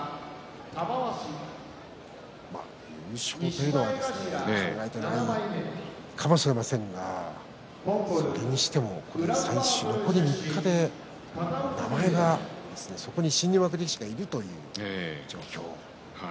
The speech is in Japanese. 優勝というのは考えていないかもしれませんがそれにしてもこれで残り３日で名前がそこに新入幕力士がいるという状況。